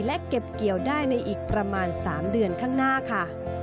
และเก็บเกี่ยวได้ในอีกประมาณ๓เดือนข้างหน้าค่ะ